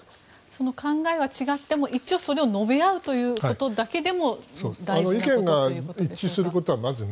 その考えは違っても一応それを述べ合うということだけでも大事なことということでしょうか。